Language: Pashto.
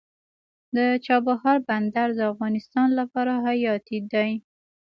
د چابهار بندر د افغانستان لپاره حیاتي دی